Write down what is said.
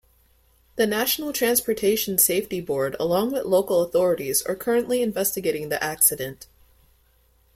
The National Transportation Safety Board along with local authorities are currently investigating the accident.